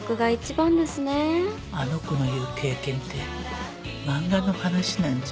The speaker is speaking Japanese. あの子の言う「経験」って漫画の話なんじゃ。